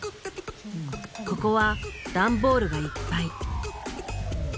ここはダンボールがいっぱい。